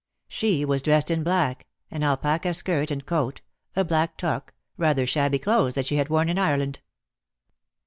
She was dressed in black, an alpaca skirt and coat, a black toque, rather shabby clothes that she had worn in Ireland.